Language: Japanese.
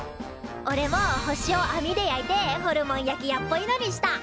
おれも星をあみで焼いてホルモン焼き屋っぽいのにした。